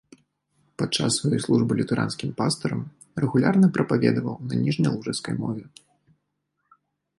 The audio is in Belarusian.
Падчас сваёй службы лютэранскім пастарам рэгулярна прапаведаваў на ніжнялужыцкай мове.